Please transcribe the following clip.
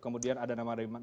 kemudian ada nama nadim